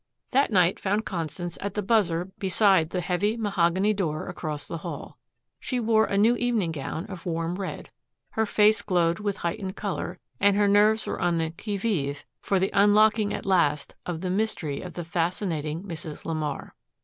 That night found Constance at the buzzer beside the heavy mahogany door across the hall. She wore a new evening gown of warm red. Her face glowed with heightened color, and her nerves were on the qui vive for the unlocking at last of the mystery of the fascinating Mrs. LeMar.